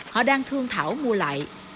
họ đang thương thảo mua lại